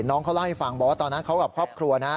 น้องเขาเล่าให้ฟังบอกว่าตอนนั้นเขากับครอบครัวนะ